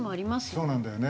そうなんだよね。